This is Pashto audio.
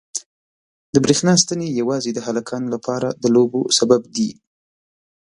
د برېښنا ستنې یوازې د هلکانو لپاره د لوبو سبب دي.